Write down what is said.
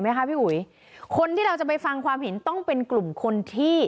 พี่อุ๋ยคนที่เราจะไปฟังความเห็นต้องเป็นกลุ่มคนที่